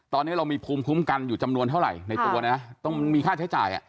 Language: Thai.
ตอนนี้เรามีภูมิคุ้มกันอยู่จำนวนเท่าไหร่ในตัวนะต้องมีค่าใช้จ่าย